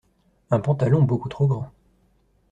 Un pantalon beaucoup trop grand.